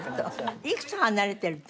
いくつ離れてるって？